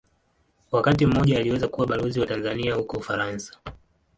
Wakati mmoja aliweza kuwa Balozi wa Tanzania huko Ufaransa.